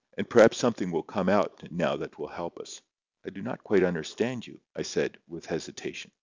And perhaps something will come out now that will help us." "I do not quite understand you," I said, with hesitation.